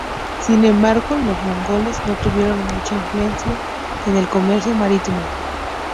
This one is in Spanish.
Sin embargo, los mongoles no tuvieron mucha influencia en el comercio marítimo.